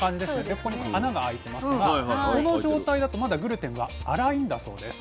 ここに穴が開いてますがこの状態だとまだグルテンは粗いんだそうです。